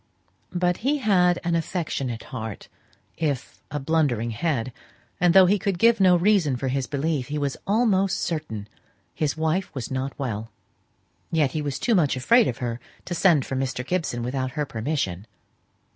But he had an affectionate heart, if a blundering head; and though he could give no reason for his belief, he was almost certain his wife was not well. Yet he was too much afraid of her to send for Mr. Gibson without her permission.